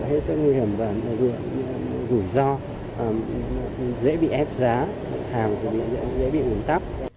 hết sức nguy hiểm và rủi ro dễ bị ép giá hàng dễ bị ủn tắc